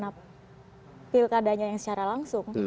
tidak karena pilkadanya yang secara langsung